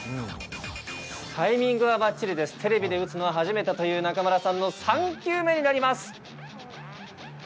タイミングはばっちりですテレビで打つのは初めてという中村さんの３球目になります。